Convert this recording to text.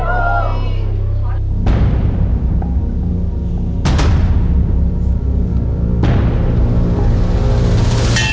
โอ้โห